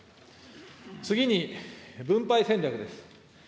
次に、分配戦略です。